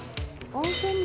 温泉！